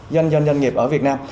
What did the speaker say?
doanh doanh doanh nghiệp ở việt nam